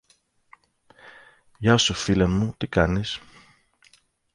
Γεια σου, φίλε μου, τι κάνεις;